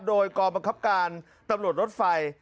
โดยกองบังคับการตำรวจรถไฟ